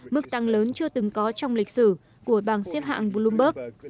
mức tăng lớn chưa từng có trong lịch sử của bảng xếp hạng bloomberg